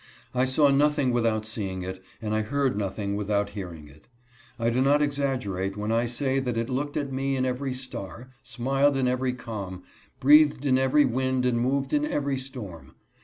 I saw nothing without seeing it, and I heard nothing without hearing it. I do not exaggerate when I say that it looked at me in every star, smiled in every calm, breathed in every wind and moved in every storm.